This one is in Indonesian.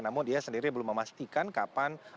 namun dia sendiri belum memastikan kapan